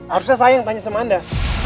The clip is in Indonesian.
harusnya sayang tanya sama anda